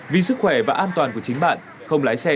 vì sức khỏe và an toàn của chính bạn không lái xe